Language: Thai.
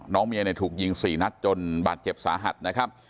น้องเมียิถูกยิงสี่นัดจนน์บาดเจ็บสาหัสนะครับ